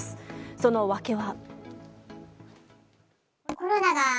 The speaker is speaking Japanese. その訳は。